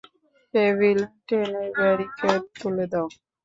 Cable টেনে barricade তুলে দাও।